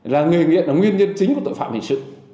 là người nghiện là nguyên nhân chính của tội phạm hình sự